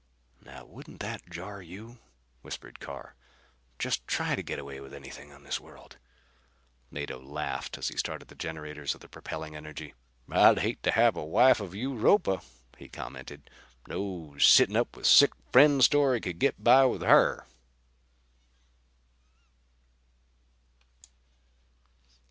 "Now wouldn't that jar you?" whispered Carr. "Just try to get away with anything on this world." Mado laughed as he started the generators of the propelling energy. "I'd hate to have a wife of Europa," he commented. "No sitting up with sick friend story could get by with her!"